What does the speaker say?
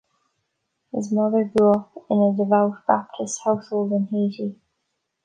His mother grew up in a devout Baptist household in Haiti.